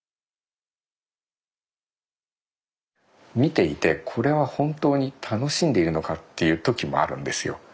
見ていてこれは本当に楽しんでいるのかっていう時もあるんですよ。